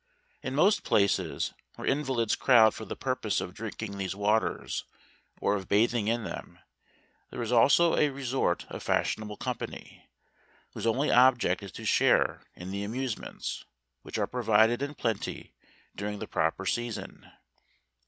In most places where invalids crowd for the purpose of drinking these waters, or of bathing in them, there is also GERMANY. 75 a resort of fashionable company, whose only ob¬ ject is to share in the amusements, which are provided in plenty during the proper season.